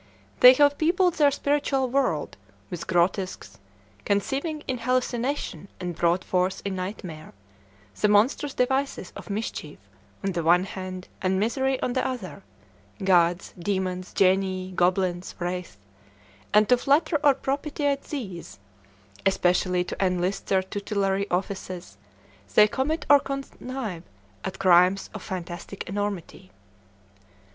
They have peopled their spiritual world with grotesques, conceived in hallucination and brought forth in nightmare, the monstrous devices of mischief on the one hand and misery on the other, gods, demons, genii, goblins, wraiths; and to flatter or propitiate these, especially to enlist their tutelary offices, they commit or connive at crimes of fantastic enormity.